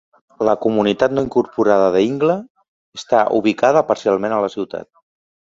La comunitat no incorporada d'Ingle està ubicada parcialment a la ciutat.